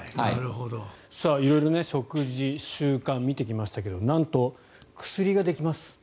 色々、食事、習慣見てきましたけどなんと、薬ができます。